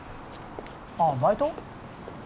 ああバイト？